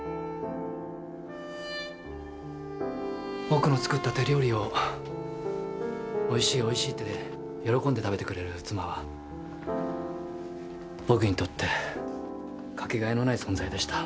僕の作った手料理をおいしいおいしいって喜んで食べてくれる妻は僕にとってかけがえのない存在でした。